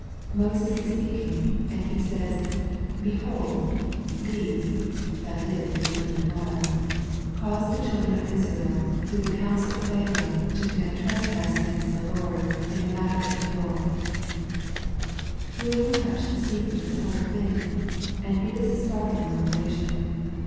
Moses is speaking, and he says, "" Behold, these/' that is, the women of Moab, '" caused the children of Israel, through the counsel of Balaam, to commit trespass against the Lord, in the mat ter of Peor." Here we touch the secret of the whole thing, and it is a startling revelation.